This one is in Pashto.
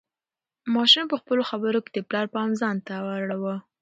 ماشوم په خپلو خبرو کې د پلار پام ځان ته اړاوه.